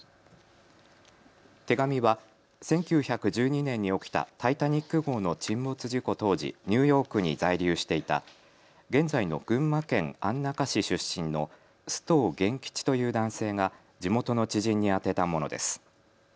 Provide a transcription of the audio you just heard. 手紙は１９１２年に起きたタイタニック号の沈没事故当時、ニューヨークに在留していた現在の群馬県安中市出身の須藤元吉という男性が地元の知人に宛てたものです。